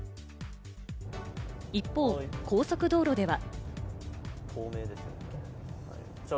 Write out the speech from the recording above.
一方、高速道路では。